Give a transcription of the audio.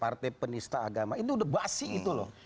partai penista agama ini udah basi itu loh